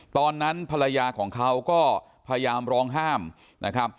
ตอนนั้นภรรยาของเขาก็พยายามร้องห้ามนะครับ